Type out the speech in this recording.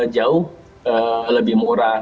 jauh lebih murah